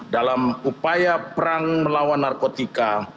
dalam upaya perang melawan narkotika